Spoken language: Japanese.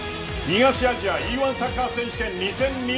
東アジアＥ‐１サッカー選手権２０２２。